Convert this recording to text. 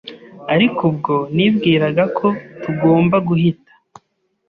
ariko ubwo nibwiraga ko tugomba guhita